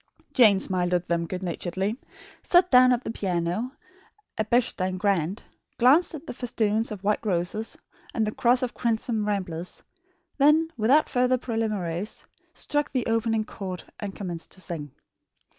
Jane smiled at them good naturedly; sat down at the piano, a Bechstein grand; glanced at the festoons of white roses and the cross of crimson ramblers; then, without further preliminaries, struck the opening chord and commenced to sing.